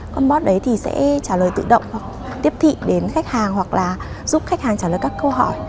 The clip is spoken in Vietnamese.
con bot đấy thì sẽ trả lời tự động hoặc tiếp thị đến khách hàng hoặc là giúp khách hàng trả lời các câu hỏi